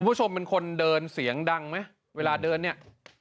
คุณผู้ชมเป็นคนเดินเสียงดังไหมเวลาเดินเนี่ย